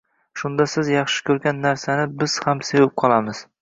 Shunda siz yaxshi ko’rgan narsani biz ham sevib qolamiz.